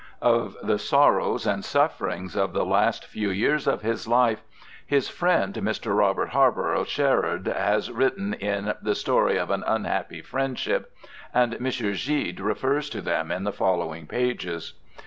Of the sorrows and sufferings of the last few years of his life, his friend Mr. Robert Harborough Sherard has written in The Story of an Unhappy Friendship, and M. Gide refers to them in the following pages.